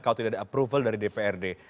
kalau tidak ada approval dari dprd